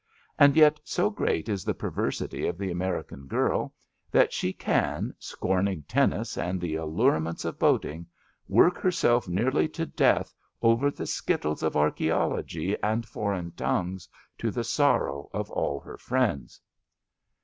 And yet so great is the perversity of the American girl that she can, scorning tennis and the allurements of boating, work herself nearly to death over the skittles of archaeology and foreign tongues, to the sorrow of alL her f rieaads.